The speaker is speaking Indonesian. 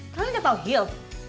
kalian gak tahu hil